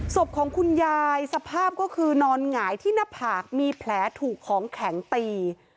ศพของคุณยายสภาพก็คือนอนหงายที่หน้าผากมีแผลถูกของแข็งตี